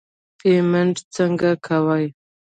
پیمنټ څنګه کوې.